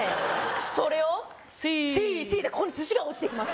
それをＣ．Ｃでここに寿司が落ちてきます